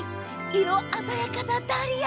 色鮮やかなダリア！